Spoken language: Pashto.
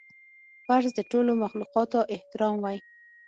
فرض د ټولو مخلوقاتو احترام وای